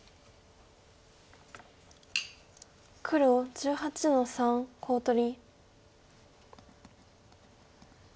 黒１８の三コウ取り。